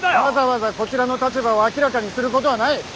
わざわざこちらの立場を明らかにすることはない。